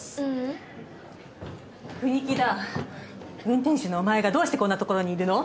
運転手のお前がどうしてこんな所にいるの？